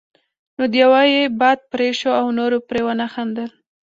نو د يوه یې باد پرې شو او نورو پرې ونه خندل.